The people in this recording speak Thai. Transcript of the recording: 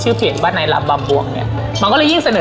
ชื่อเขียนว่าในลำบำบวงเนี้ยมันก็เลยยิ่งเสนอ